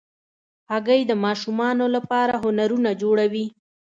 هګۍ د ماشومانو لپاره هنرونه جوړوي.